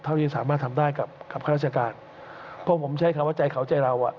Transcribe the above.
ที่สามารถทำได้กับกับข้าราชการเพราะผมใช้คำว่าใจเขาใจเราอ่ะ